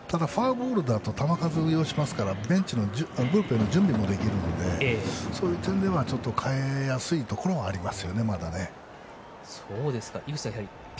フォアボールだと球数を要しますからブルペンの準備もできますのでそういう点では代えやすいところはまだあります。